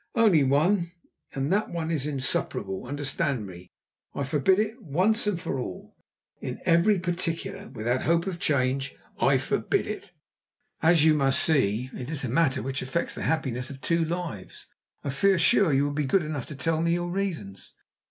"Only one, and that one is insuperable! Understand me, I forbid it once and for all! In every particular without hope of change I forbid it!" "As you must see it is a matter which affects the happiness of two lives, I feel sure you will be good enough to tell me your reasons?"